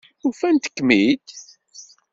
Ufant-ikem-id?